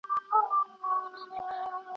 غوړ لرونکي خواړه په اندازه وخورئ.